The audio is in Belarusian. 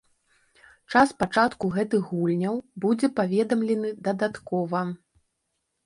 Час пачатку гэтых гульняў будзе паведамлены дадаткова.